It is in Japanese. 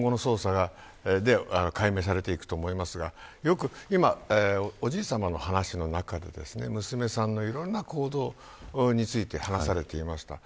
今後の捜査で解明されていくと思いますが今、おじいさまの話の中で娘さんのいろんな行動について話されていました。